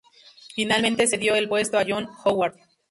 Finalmente cedió el puesto a John Howard.